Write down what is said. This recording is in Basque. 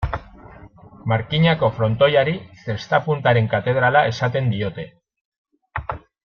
Markinako frontoiari, zesta-puntaren katedrala esaten diote.